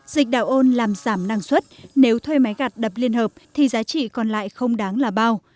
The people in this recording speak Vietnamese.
dịch đạo ôn làm giảm năng suất nếu thuê máy gặt đập liên hợp thì giá trị còn lại không đáng là bao